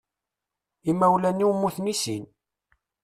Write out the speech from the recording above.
Imawlan-iw mmuten i sin.